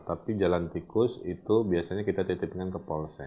tapi jalan tikus itu biasanya kita titipkan ke polsek